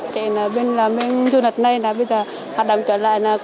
chỉ là bên du lịch này đã bây giờ hoạt động trở lại